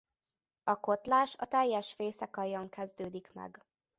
A kotlás a teljes fészekaljon kezdődik meg.